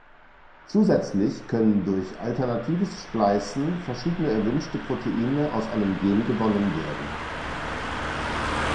Zusätzlich können durch alternatives Spleißen verschiedene erwünschte Proteine aus einem Gen gewonnen werden.